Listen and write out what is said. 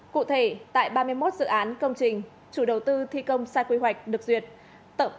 cụ thể tại ba mươi một dự án công trình chủ đầu tư thi công sai quy hoạch được duyệt